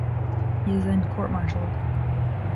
He is then court-martialed.